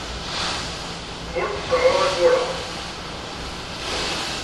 Kemm ur tseɛɛuḍ ugur-a.